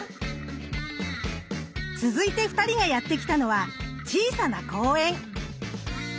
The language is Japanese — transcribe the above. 続いて２人がやって来たのは小さな公園。